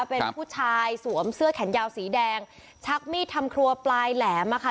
เป็นผู้ชายสวมเสื้อแขนยาวสีแดงชักมีดทำครัวปลายแหลมอ่ะค่ะ